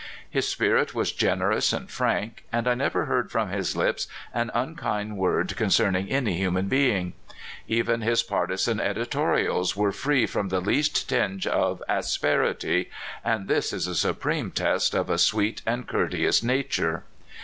His spirit was generous and frank, and I never heard from his lips an unkind word concerning any human being. Even his partisan editorials were free from the least tinge of asperity — and this is a supreme test of a sweet and courteous nature.